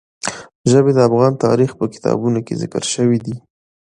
ژبې د افغان تاریخ په کتابونو کې ذکر شوي دي.